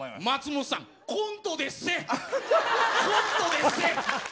松本さんコントでっせ！